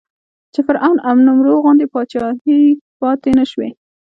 چې فرعون او نمرود غوندې پاچاهۍ پاتې نه شوې.